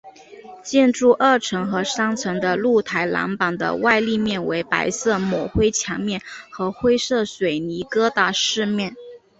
建筑二层和三层的露台栏板的外立面为白色抹灰墙面和灰色水泥疙瘩饰面。